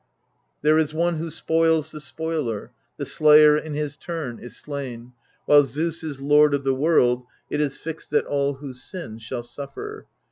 There is one who spoils the spoiler ; the slayer in his turn is slain ; while Zeus is lord of the world, it is fixed that all who sin shall suffer."